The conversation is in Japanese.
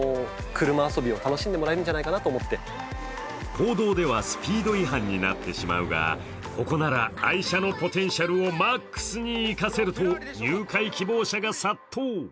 公道ではスピード違反になってしまうがここなら外車のポテンシャルをマックスに生かせると入会希望者が殺到。